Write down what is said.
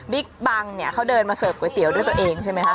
บังเนี่ยเขาเดินมาเสิร์ฟก๋วยเตี๋ยวด้วยตัวเองใช่ไหมคะ